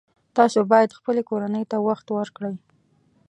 تاسو باید خپلې کورنۍ ته وخت ورکړئ